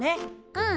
うん。